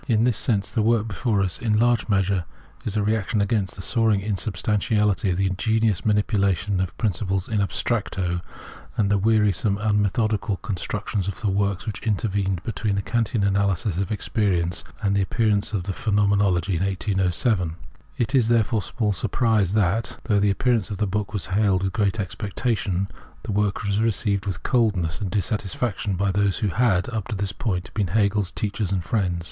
In this sense, the work before us is in large measure a re action against the soaring insubstantiality, the ingenious manipulation of principles in abstracto, and the weari some, unmethodical constructions of the works which intervened between the Kantian analysis of experience and the appearance of the Phenomenology in 1807. It is, therefore, small surprise that, though the appearance of the book was hailed with great expectation, the work was received with coldness and dissatisfaction by those who had, up to this point, been HegeFs teachers and friends.